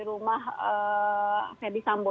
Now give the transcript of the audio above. di rumah fedy sambo